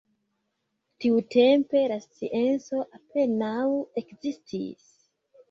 Tiutempe la scienco apenaŭ ekzistis.